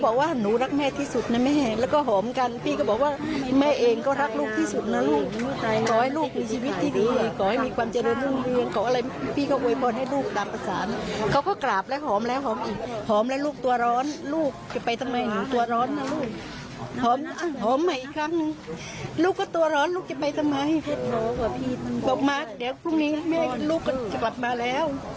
บอกมาเดี๋ยวพรุ่งนี้แม่ลูกก็จะกลับมาแล้ว